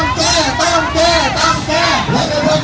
ออกไปออกไปออกไป